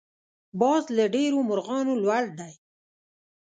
باز له ډېرو مرغانو لوړ دی